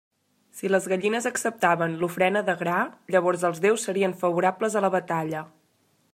Si les gallines acceptaven l'ofrena de gra, llavors els déus serien favorables a la batalla.